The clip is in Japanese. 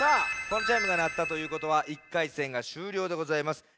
このチャイムがなったということは１回戦がしゅうりょうでございます。